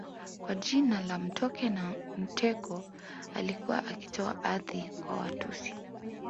Kwa jina la Mtoke Na mteko alikuwa akitoa ardhi kwa Watusi